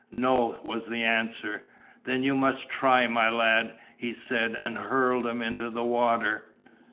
"No," was the answer. "Then you must try, my lad," he said, and hurled him into the water.